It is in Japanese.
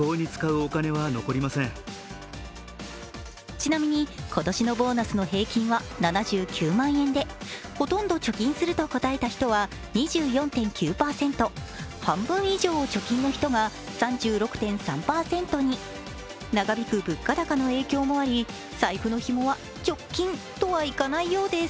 ちなみに、今年のボーナスの平均は７９万円でほとんど貯金すると答えた人は２４．９％、半分以上貯金の人が３６．３％に、長引く物価高の影響もあり財布のひもは、ちょっきんというわけにはいかないようです。